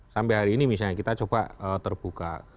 sampai hari ini misalnya kita coba terbuka